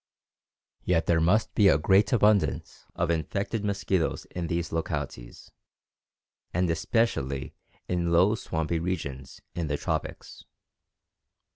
Yet there must be a great abundance of infected mosquitoes in these localities, and especially in low swampy regions in the tropics.